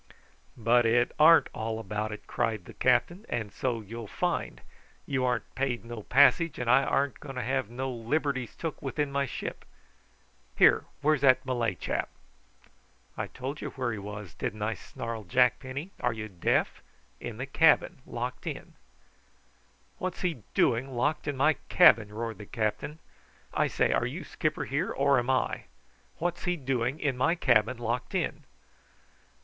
"But it arn't all about it," cried the captain; "and so you'll find. You arn't paid no passage, and I arn't going to have no liberties took with my ship. Here, where's that Malay chap?" "I told you where he was, didn't I?" snarled Jack Penny. "Are you deaf? In the cabin, locked in." "What's he doing locked in my cabin?" roared the captain. "I say, are you skipper here, or am I? What's he doing in my cabin locked in?"